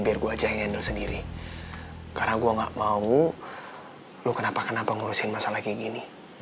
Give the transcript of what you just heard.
biar gue aja yang sendiri karena gua nggak mau lu kenapa kenapa ngurusin masalah kayak gini